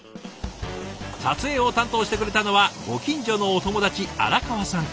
撮影を担当してくれたのはご近所のお友達荒川さん。